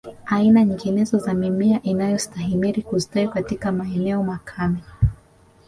Aina nyinginezo za mimea inayostahimili kustawi katika maeneo makame